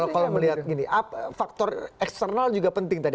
kalau melihat gini faktor eksternal juga penting tadi